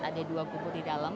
ada dua kubu di dalam